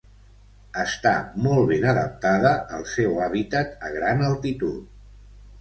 Està molt ben adaptada al seu hàbitat a gran altitud.